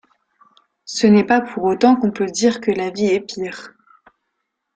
Ce n’est pas pour autant qu’on peut dire que la vie est pire.